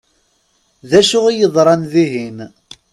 D acu i yeḍṛan dihin?